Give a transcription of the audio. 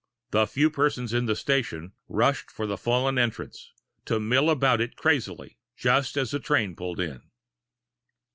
The few persons in the station rushed for the fallen entrance, to mill about it crazily, just as a train pulled in.